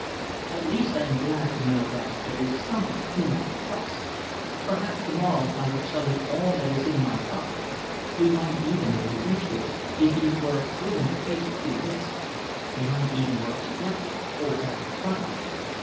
At least I am glad to know that there is some one whom I can trust. Perhaps to morrow I will tell you all that is in my heart. We might even, if you wished it, if you were willing to face a few risks, we might even work together to hold back the thunder.